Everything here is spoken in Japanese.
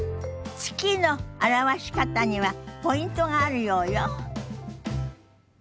「月」の表し方にはポイントがあるようよ。